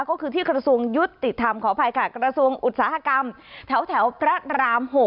ก็คือที่กระทรวงยุติธรรมขออภัยค่ะกระทรวงอุตสาหกรรมแถวพระราม๖